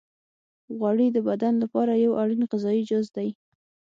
غوړې د بدن لپاره یو اړین غذایي جز دی.